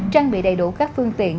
trang bị đầy đủ các phương tiện